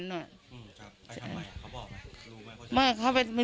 ไปทำไมเขาบอกไหม